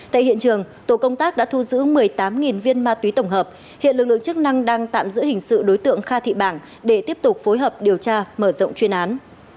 tại hiện trường tổ công tác đã thu giữ một mươi tám viên ma túy tổng hợp hiện lực lượng chức năng đang tạm giữ hình sự đối tượng kha thị bảng để tiếp tục phối hợp điều tra mở rộng chuyên án